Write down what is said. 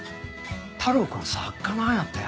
太郎くんは作家なんやって？